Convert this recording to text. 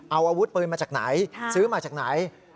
เอาอาวุธปืนมาจากไหนซื้อมาจากไหน